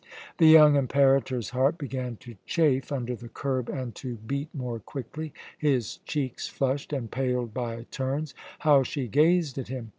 The young Imperator's heart began to chafe under the curb and to beat more quickly, his cheeks flushed and paled by turns. How she gazed at him!